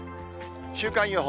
週間予報。